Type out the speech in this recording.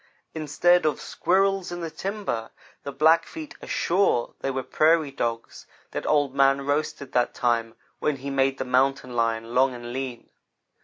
Instead of squirrels in the timber, the Black feet are sure they were prairie dogs that Old man roasted that time when he made the mountain lion long and lean.